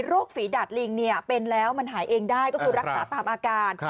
ฝีดาดลิงเป็นแล้วมันหายเองได้ก็คือรักษาตามอาการ